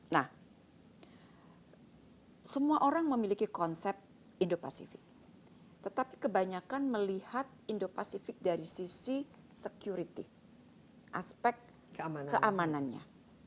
nah semua orang memiliki konsep indo pacific tetapi kebanyakan melihat indo pasifik dari sisi security aspek keamanannya